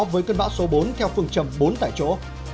với cơn bão số bốn theo phương trầm bốn tại chỗ